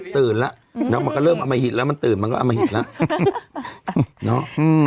ตื่นแล้วมันก็เริ่มเอามาหิดแล้วมันตื่นมันก็เอามาหิตแล้ว